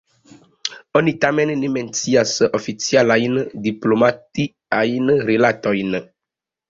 Oni tamen ne mencias oficialajn diplomatiajn rilatojn.